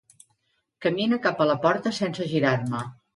Camine cap a la porta sense girar-me.